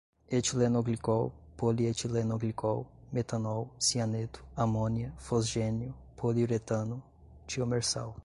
etilenoglicol, polietilenoglicol, metanol, cianeto, amônia, fosgênio, poliuretano, tiomersal